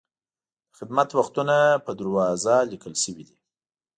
د خدمت وختونه په دروازه لیکل شوي دي.